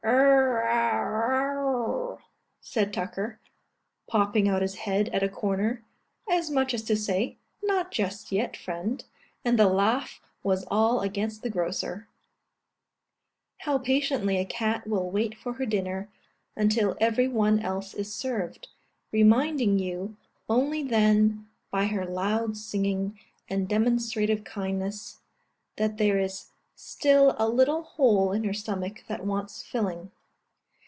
"Err a wa ow," said Tucker, popping out his head at a corner, as much as to say, "Not just yet, friend;" and the laugh was all against the grocer. How patiently a cat will wait for her dinner, until every one else is served, reminding you only then, by her loud singing and demonstrative kindness, that there is still a little hole in her stomach that wants filling!